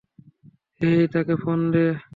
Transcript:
হেই, তাকে ফোন দে।